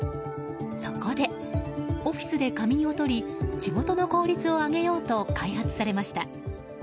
そこで、オフィスで仮眠をとり仕事の効率を上げようと開発されました。